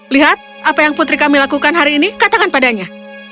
lihat apa yang putri kami lakukan hari ini katakan padanya